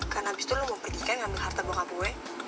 karena abis itu lo mau pergi ikan ngambil harta bokap gue